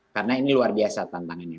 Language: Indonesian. karena ini luar biasa tantangannya